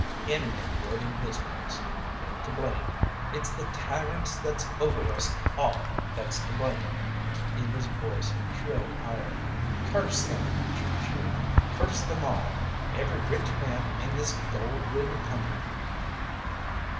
Any man would in his place. He ain't to blame. It's the tyrants that's over us all that's to blame." Eva's voice shrilled higher. "Curse them!" she shrieked. "Curse them all! every rich man in this gold ridden country!"